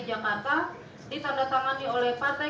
jakarta ditandatangani oleh partai